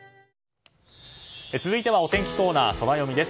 続いては、お天気コーナーソラよみです。